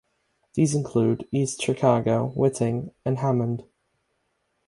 These include East Chicago, Whiting, and Hammond.